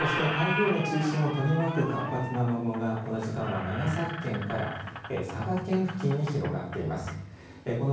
そして、台風の中心を取り巻く活発な雨雲がこの時間は長崎県から佐賀県付近に広がっています。